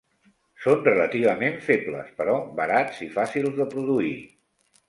Són relativament febles, però barats i fàcils de produir.